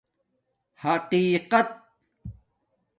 حقِقَت